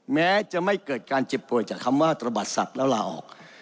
แม้จะไม่เกิดการเจ็บป่วยจากคำว่าตระบัดสัตว์แล้วลาออก